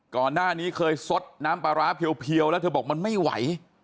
ก่อนหน้านี้เคยซดน้ำปลาร้าเพียวแล้วเธอบอกมันไม่ไหว